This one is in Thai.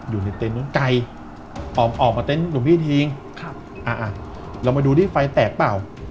อยู่ในเต็นต์นั้นไกลออกมาเต็นต์หลวงพี่ทิ้งเรามาดูที่ไฟแตกเปล่า